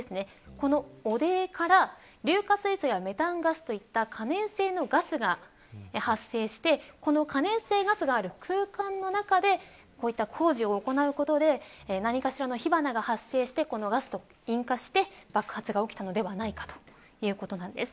その汚泥から硫化水素やメタンガスといった可燃性のガスが発生してこの可燃性ガスがある空間の中でこういった工事を行うことで何かしらの火花が発生してこのガスに引火して爆発したのではないかということでした。